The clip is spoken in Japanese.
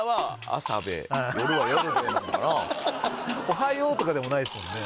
「おはよう」とかでもないですもんね。